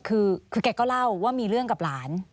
คือแกก็เล่าว่ามีเรื่องกับหลาน